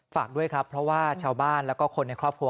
ฝากด้วยครับเพราะว่าชาวบ้านแล้วก็คนในครอบครัว